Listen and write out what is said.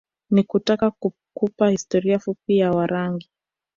Ni kutaka kukupa historia fupi ya Warangi